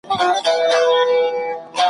خو لا دي سره دي لاسونه دواړه `